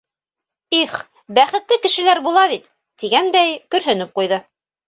«Их, бәхетле кешеләр була бит...» тигәндәй, көрһөнөп ҡуйҙы.